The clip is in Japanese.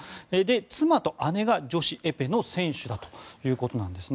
妻と姉が女子エペの選手だということなんですね。